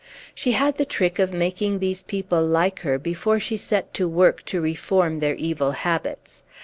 She had the trick of making these people like her before she set to work to reform their evil habits.